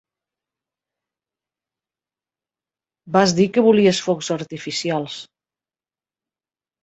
Vas dir que volies focs artificials.